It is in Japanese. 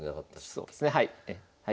そうですねはい。